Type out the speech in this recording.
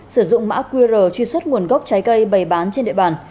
sử dụng mã qr truy xuất nguồn gốc trái cây bày bán trên địa bàn